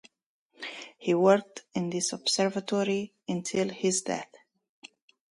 He worked in this observatory until his death.